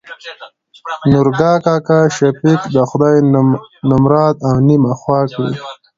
نورګا کاکا : شفيق د خداى نمراد او نيمه خوا کړي.